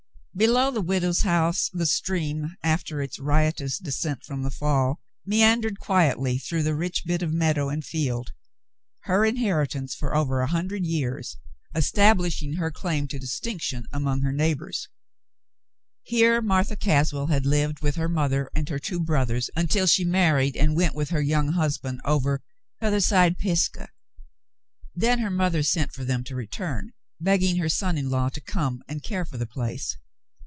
Below the widow's house, the stream, after its riotous descent from the fall, meandered quietly through the rich bit of meadow and field, her inheritance for over a hundred years, establishing her claim to distinction among her neighbors. Here Martha Caswell had lived with her mother and her two brothers until she married and went with her young husband over "t'other side Pisgah"; then her mother sent for them to return, begging her son in law to come and care for the place.